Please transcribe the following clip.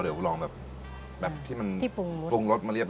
เดี๋ยวเราลองแบบ